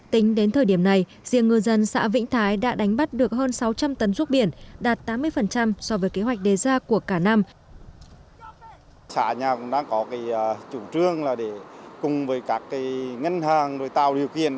tính đến thời điểm này riêng ngư dân xã vĩnh thái đã đánh bắt được hơn sáu trăm linh tấn ruốc biển